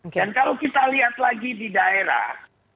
dan kalau kita lihat lagi di daerah